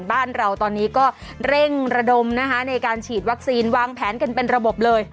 บ้านเราตอนนี้ก็เร่งระดมนะคะในการฉีดวัคซีนวางแผนกันเป็นระบบเลย